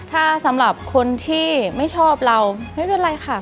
ถ้าสำหรับคนที่ไม่ชอบเราไม่เป็นไรค่ะ